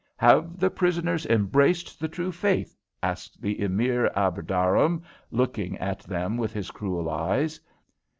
"Have the prisoners embraced the true faith?" asked the Emir Abderrahman, looking at them with his cruel eyes.